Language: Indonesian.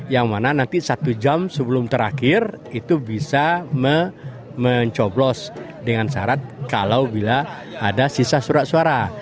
yang mana nanti satu jam sebelum terakhir itu bisa mencoblos dengan syarat kalau bila ada sisa surat suara